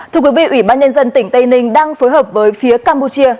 thưa quý vị ủy ban nhân dân tỉnh tây ninh đang phối hợp với phía campuchia